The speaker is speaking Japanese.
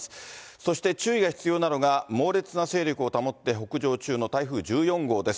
そして注意が必要なのが、猛烈な勢力を保って北上中の台風１４号です。